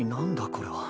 これは。